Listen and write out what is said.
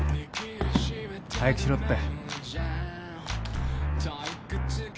早くしろって。